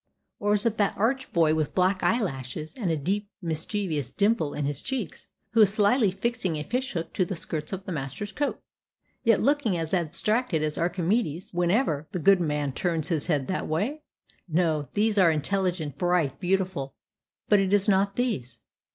Or is it that arch boy with black eyelashes, and deep, mischievous dimple in his cheeks, who is slyly fixing a fish hook to the skirts of the master's coat, yet looking as abstracted as Archimedes whenever the good man turns his head that way? No; these are intelligent, bright, beautiful, but it is not these.